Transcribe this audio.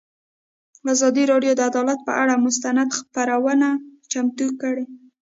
ازادي راډیو د عدالت پر اړه مستند خپرونه چمتو کړې.